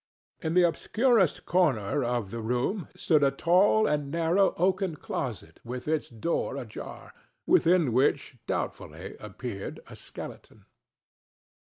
In the obscurest corner of the room stood a tall and narrow oaken closet with its door ajar, within which doubtfully appeared a skeleton.